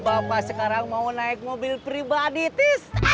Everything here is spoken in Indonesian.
bapak sekarang mau naik mobil pribadi tis